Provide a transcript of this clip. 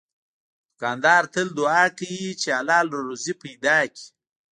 دوکاندار تل دعا کوي چې حلال روزي پیدا کړي.